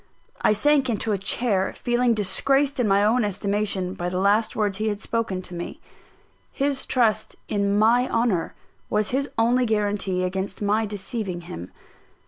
I sank into a chair, feeling disgraced in my own estimation by the last words he had spoken to me. His trust in my honour was his only guarantee against my deceiving him.